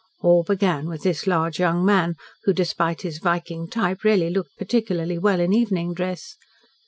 All began with this large young man, who, despite his Viking type, really looked particularly well in evening dress.